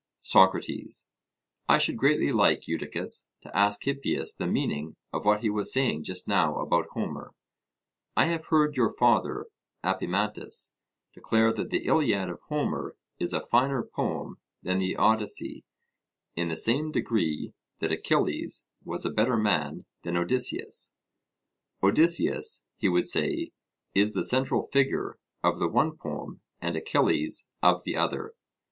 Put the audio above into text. SOCRATES: I should greatly like, Eudicus, to ask Hippias the meaning of what he was saying just now about Homer. I have heard your father, Apemantus, declare that the Iliad of Homer is a finer poem than the Odyssey in the same degree that Achilles was a better man than Odysseus; Odysseus, he would say, is the central figure of the one poem and Achilles of the other.